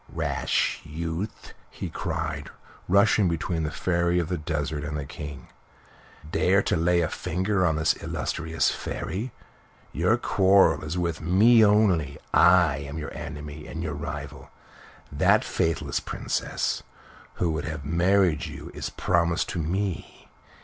"Rash youth!" he cried, rushing between the Fairy of the Desert and the King. "Dare to lay a finger upon this illustrious Fairy! Your quarrel is with me only. I am your enemy and your rival. That faithless Princess who would have married you is promised to me.